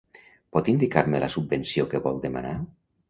Pot indicar-me la subvenció que vol demanar?